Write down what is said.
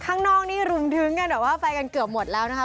ข้างนอกนี้รวมถึงกันแบบว่าไปกันเกือบหมดแล้วนะคะ